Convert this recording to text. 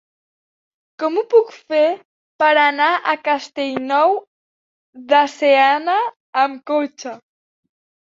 Com ho puc fer per anar a Castellnou de Seana amb cotxe?